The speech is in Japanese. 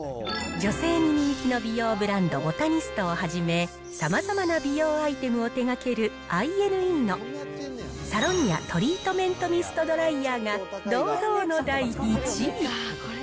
女性に人気の美容ブランド、ボタニストをはじめ、さまざまな美容アイテムを手がけるアイ・エヌ・イーのサロニアトリートメントミストドライヤーが堂々の第１位。